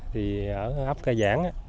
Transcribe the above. thì ở ấp cây giảng